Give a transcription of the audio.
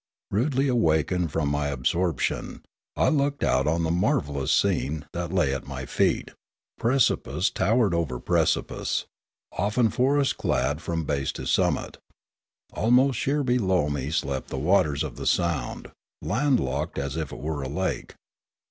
Rudely awakened from my ab sorption, I looked out on the marvellous scene that lay 4 Riallaro at my feet : precipice towered over precipice, often forest clad from base to summit. Almost sheer below me slept the waters of the sound, landlocked as if it were a lake.